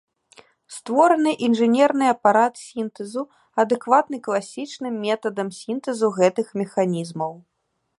Створаны інжынерны апарат сінтэзу, адэкватны класічным метадам сінтэзу гэтых механізмаў.